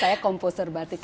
saya komposer batik